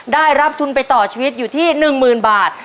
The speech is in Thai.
ได้รับทุนไปต่อชีวิตอยู่ที่๑๐๐๐บาท